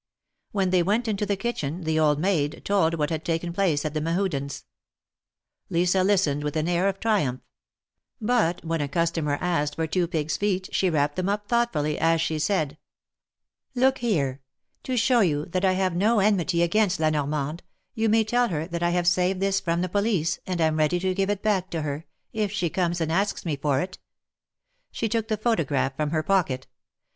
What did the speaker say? When he went into the kitchen, the old maid told what had taken place at the Mehudens^ Lisa listened with an air of triumph ; but when a customer asked for two pigs' feet, she wrapped them up thoughtfully, as she said : Look here : to show you that I have no enmity against LaNormande, you may tell her that I have saved this from the police, and am ready to give it back to her, if she comes and asks me for it." She took the photograph from her pocket.